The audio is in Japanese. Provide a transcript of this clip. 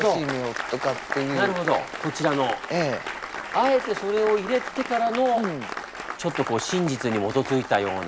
あえてそれを入れてからのちょっと真実に基づいたような。